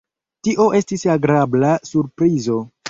Tio estis agrabla surprizo.